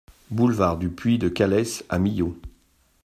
Boulevard du Puits de Calès à Millau